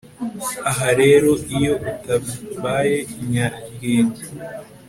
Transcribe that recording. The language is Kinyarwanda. aha rero iyo utabaye inyaryenge